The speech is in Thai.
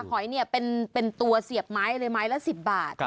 หอยเนี่ยเป็นตัวเสียบไม้เลยไม้ละ๑๐บาท